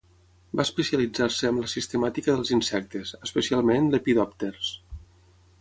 Va especialitzar-se amb la sistemàtica dels insectes, especialment Lepidòpters.